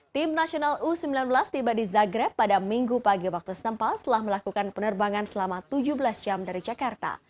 tim nasional u sembilan belas tiba di zagreb pada minggu pagi waktu setempat setelah melakukan penerbangan selama tujuh belas jam dari jakarta